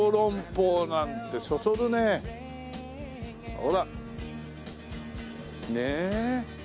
ほらねえ。